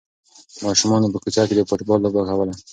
ماشومانو په کوڅه کې د فوټبال لوبه کوله.